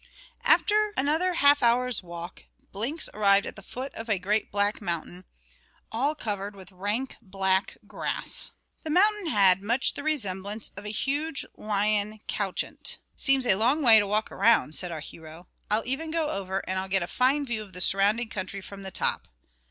_ After another half hour's walk Blinks arrived at the foot of a great black mountain, all covered with rank black grass. The mountain had much the resemblance of a huge lion couchant. "Seems a long way to walk round," said our hero; "I'll even go over, and I'll get a fine view of the surrounding country from the top."